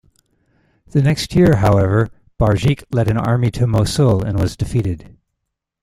The next year, however, Barjik led an army to Mosul and was defeated.